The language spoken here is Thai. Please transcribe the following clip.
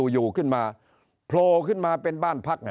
อยู่ขึ้นมาโผล่ขึ้นมาเป็นบ้านพัก